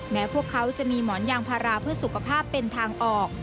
พวกเขาจะมีหมอนยางพาราเพื่อสุขภาพเป็นทางออก